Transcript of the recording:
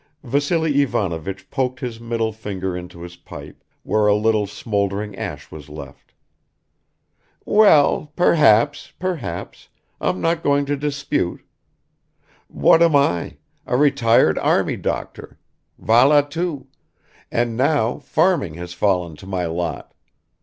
Vassily Ivanovich poked his middle finger into his pipe, where a little smoldering ash was left. "Well, perhaps, perhaps I'm not going to dispute. What am I? A retired army doctor, valla too; and now farming has fallen to my lot.